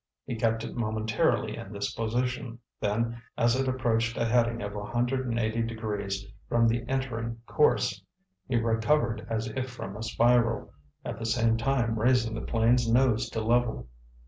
He kept it momentarily in this position; then as it approached a heading of 180 degrees from the entering course, he recovered as if from a spiral, at the same time raising the plane's nose to level.